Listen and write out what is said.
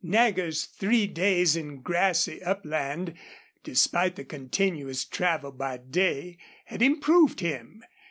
Nagger's three days in grassy upland, despite the continuous travel by day, had improved him.